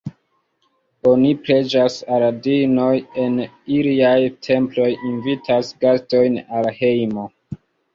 Oni preĝas al diinoj en iliaj temploj, invitas gastojn al hejmo.